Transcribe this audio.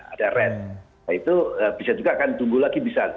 ada red itu bisa juga akan tumbuh lagi bisa